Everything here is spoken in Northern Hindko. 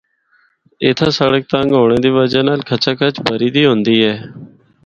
اُتھا سڑک تنگ ہونڑے دی وجہ نال کھچاکھچ بھری دی ہوندی ہے۔